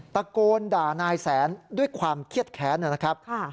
ตะโกนด่านายแสนด้วยความเครียดแค้นนะครับ